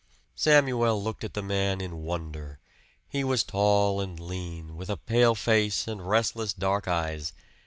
Samuel looked at the man in wonder. He was tall and lean, with a pale face and restless dark eyes.